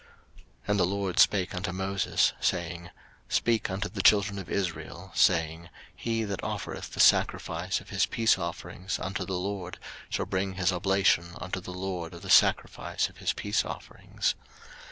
03:007:028 And the LORD spake unto Moses, saying, 03:007:029 Speak unto the children of Israel, saying, He that offereth the sacrifice of his peace offerings unto the LORD shall bring his oblation unto the LORD of the sacrifice of his peace offerings.